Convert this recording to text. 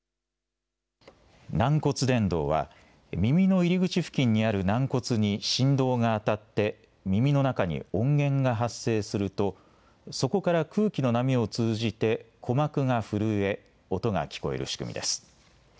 軟骨伝導は、耳の入り口付近にある軟骨に振動が当たって、耳の中に音源が発生すると、そこから空気の波を通じて鼓膜が震え、音が聞こえる仕組みです。